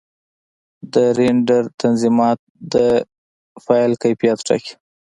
د رېنډر تنظیمات د فایل کیفیت ټاکي.